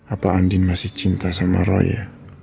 apa andin masih cinta sama roy ya